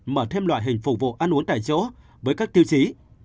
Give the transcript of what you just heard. mở thêm loại hình phục vụ ăn uống tại chỗ với các tiêu chí